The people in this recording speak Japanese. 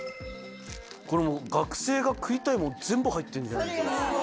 これもう学生が食いたいもの全部入ってんだよ。